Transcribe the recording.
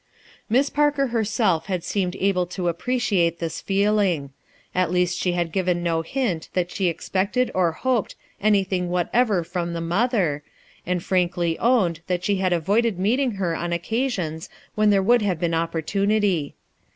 Misa Parker herself had seemed able to appre ciate this feeling. At least she had given no hint that she expected or hoped anything what ever from the mother, and frankly owned that she had avoided mooting her on occasions when there would have been opportunity.